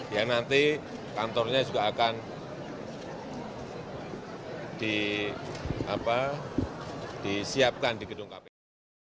yang nanti kantornya juga akan disiapkan di gedung kpk